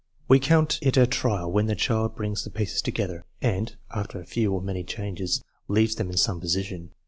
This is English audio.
We count it a trial when the child brings the pieces together and (after few or many changes) leaves them in some position.